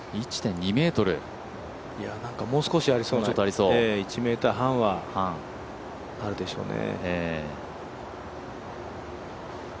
もう少しありそうな、１ｍ 半はあるでしょうね。